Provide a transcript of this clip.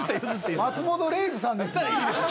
松本零士さんですもん。